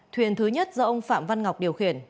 thuyền thứ nhất do ông phạm văn ngọc điều khiển